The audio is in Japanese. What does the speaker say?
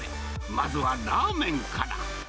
まずはラーメンから。